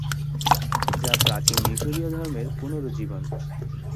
যা প্রাচীন মিশরীয় ধর্মের পুনরুজ্জীবন।